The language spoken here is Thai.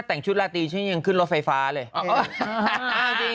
แต่งชุดราตรีฉันยังขึ้นรถไฟฟ้าเลย